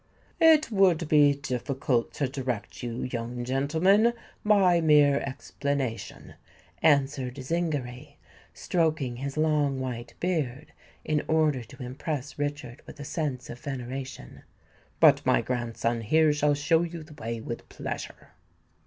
"It would be difficult to direct you, young gentleman, by mere explanation," answered Zingary, stroking his long white beard in order to impress Richard with a sense of veneration; "but my grandson here shall show you the way with pleasure."